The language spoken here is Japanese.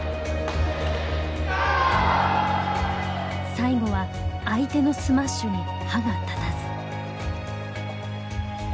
最後は相手のスマッシュに歯が立たず。